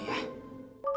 tidak ada yang bisa diberi